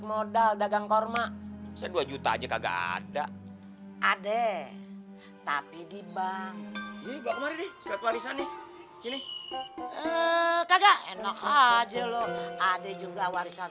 modal dagang korma sedua juta aja kagak ada ada tapi di bank ini enak aja loh ada juga warisan